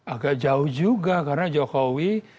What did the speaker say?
agak jauh juga karena jokowi